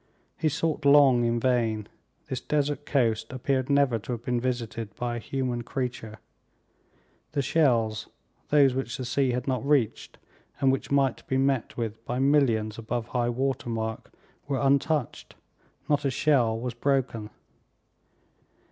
He sought long in vain. This desert coast appeared never to have been visited by a human creature. The shells, those which the sea had not reached, and which might be met with by millions above high water mark, were untouched. Not a shell was broken.